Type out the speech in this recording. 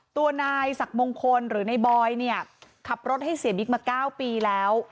ตัวนายศักดิ์มงคลหรือในบอยเนี่ยขับรถให้เสียบิ๊กมา๙ปีแล้ว